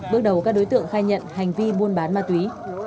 bước đầu các đối tượng khai nhận hành vi buôn bán ma túy